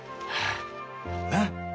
なっ？